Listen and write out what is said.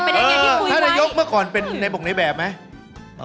ท่านนายกเมื่อก่อนเป็นในบ่งในแบบไหม